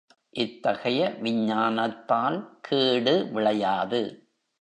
இத்தகைய விஞ்ஞானத்தால் கேடு விளையாது.